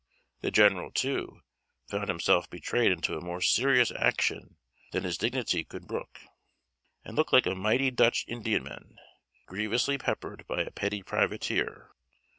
The general, too, found himself betrayed into a more serious action than his dignity could brook, and looked like a mighty Dutch Indiaman grievously peppered by a petty privateer.